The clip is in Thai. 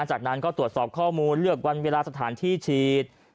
จากนั้นก็ตรวจสอบข้อมูลเลือกวันเวลาสถานที่ฉีด